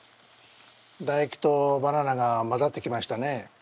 だ液とバナナがまざってきましたね？